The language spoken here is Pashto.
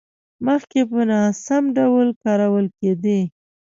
مخکې په ناسم ډول کارول کېدې.